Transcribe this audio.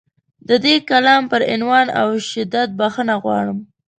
د دې کالم پر عنوان او شدت بخښنه غواړم.